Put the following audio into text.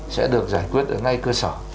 sẽ được giải quyết ở ngay cơ sở